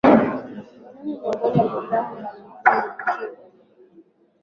Kanuni miongozo na programu mbalimbali zimetungwa